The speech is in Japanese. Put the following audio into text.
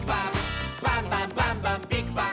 「バンバンバンバンビッグバン！」